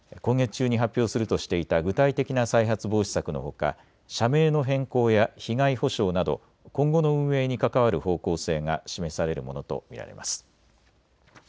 今月中に発表するとしていた具体的な再発防止策のほか社名の変更や被害補償など今後の運営に関わる方向性が示されるものと見られます。